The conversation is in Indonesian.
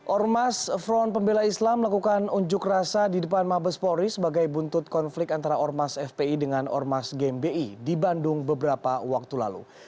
ormas front pembela islam melakukan unjuk rasa di depan mabes polri sebagai buntut konflik antara ormas fpi dengan ormas gmbi di bandung beberapa waktu lalu